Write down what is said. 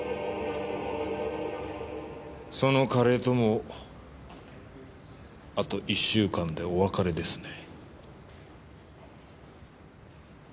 そのカレーともあと一週間でお別れですね。